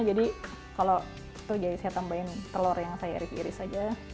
jadi kalau itu jadi saya tambahin telur yang saya iris iris aja